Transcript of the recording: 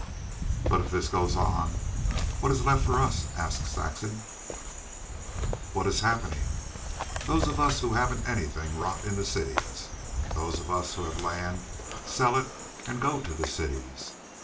"But if this goes on, what is left for us?" asked Saxon. "What is happening. Those of us who haven't anything rot in the cities. Those of us who have land, sell it and go to the cities.